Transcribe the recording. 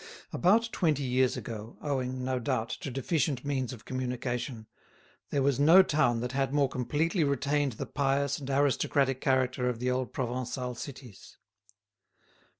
About twenty years ago, owing, no doubt, to deficient means of communication, there was no town that had more completely retained the pious and aristocratic character of the old Provencal cities.